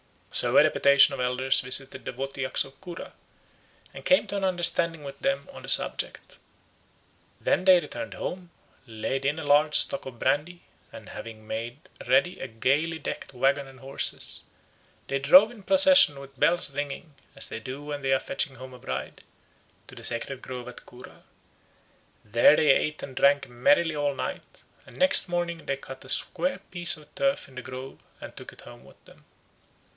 So a deputation of elders visited the Wotyaks of Cura and came to an understanding with them on the subject. Then they returned home, laid in a large stock of brandy, and having made ready a gaily decked waggon and horses, they drove in procession with bells ringing, as they do when they are fetching home a bride, to the sacred grove at Cura. There they ate and drank merrily all night, and next morning they cut a square piece of turf in the grove and took it home with them.